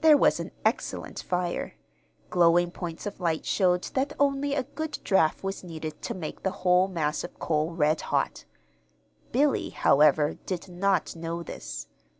There was an excellent fire. Glowing points of light showed that only a good draft was needed to make the whole mass of coal red hot. Billy, however, did not know this.